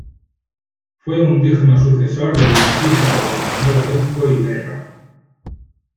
Fue un digno sucesor del insigne don Manuel Orozco y Berra.